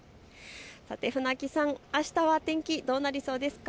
さて船木さん、あしたは天気どうなりそうですか。